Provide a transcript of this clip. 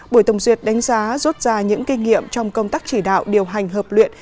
buổi tổng duyệt đánh giá rút ra những kinh nghiệm trong công tác chỉ đạo điều hành hợp luyện